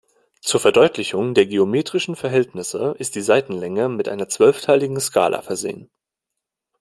Zur Verdeutlichung der geometrischen Verhältnisse ist die Saitenlänge mit einer zwölfteiligen Skala versehen.